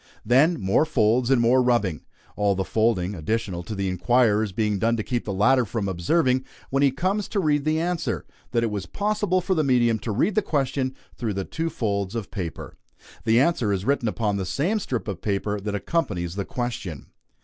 Then more folds and more rubbing all the folding, additional to the inquirer's, being done to keep the latter from observing, when he comes to read the answer, that it was possible for the medium to read the question through the two folds of paper. The answer is written upon the same strip of paper that accompanies the question.